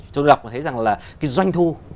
chúng tôi đọc thấy rằng là cái doanh thu